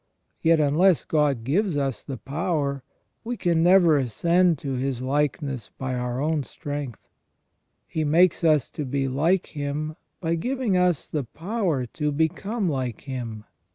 Yet, unless God gives us the power, we can never ascend to His likeness by our own strength. He makes us to be like Him by giving us the power to become like Him.